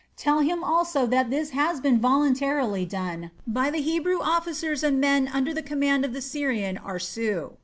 Tell him also that this has been voluntarily done by the Hebrew officers and men under the command of the Syrian Aarsu.